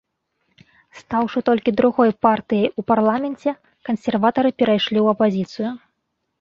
Стаўшы толькі другой партыяй у парламенце кансерватары перайшлі ў апазіцыю.